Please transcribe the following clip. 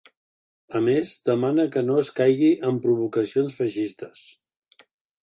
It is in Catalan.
A més, demana que no es caigui ‘en provocacions feixistes’.